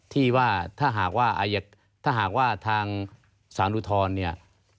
ที่ว่าถ้าหากว่าทางสารุทรเนี่ย